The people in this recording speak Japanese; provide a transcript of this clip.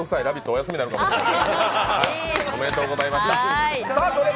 お休みになるかもしれない。